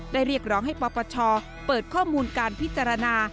เรียกร้องให้ปปชเปิดข้อมูลการพิจารณา